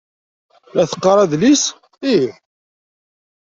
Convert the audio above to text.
La teqqar adlis? Ih.